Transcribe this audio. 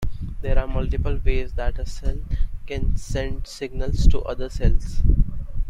There are multiple ways that a cell can send signals to other cells.